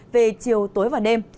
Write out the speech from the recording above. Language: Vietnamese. về chiều tối và đêm